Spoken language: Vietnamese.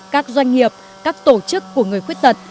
các doanh nghiệp các tổ chức của người khuyết tật